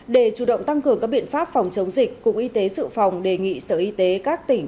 để chủ động tăng cường các biện pháp phòng chống dịch cục y tế sự phòng đề nghị sở y tế các tỉnh